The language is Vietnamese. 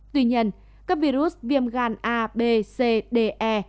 tuy nhiên các virus viêm gan a b c d e